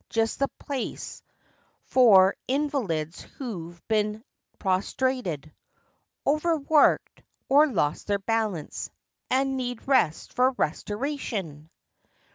Just the place for Invalids who've been "prostrated," "Overworked," or lost their balance, And need rest for restoration!